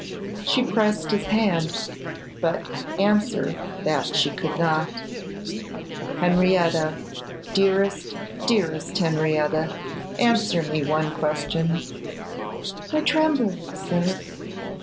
She pressed his hand, but answer, that she could not. 'Henrietta, dearest, dearest Henrietta, answer me one question.' 'I tremble, sir.